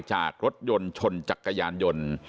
จากรถยนต์ชนจักรยานยนต์